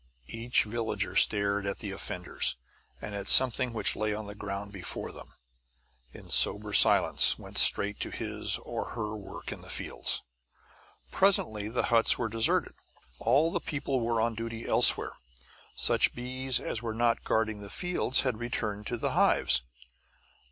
Each villager stared at the offenders, and at something which lay on the ground before them, and in sober silence went straight to his or her work in the fields. Presently the huts were deserted. All the people were on duty elsewhere. Such bees as were not guarding the fields had returned to the hives.